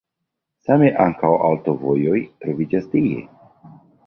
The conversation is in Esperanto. Same ankaŭ aŭtovojoj troviĝas tie.